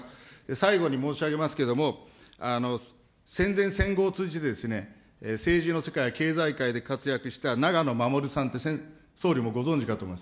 最後に申し上げますけども、戦前戦後を通じて政治の世界、経済界で活躍したながのまもるさんって、総理もご存じかと思います。